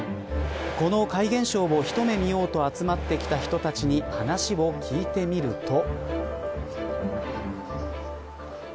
この怪現象を一目見ようと集まってきた人たちに話を聞いてみると。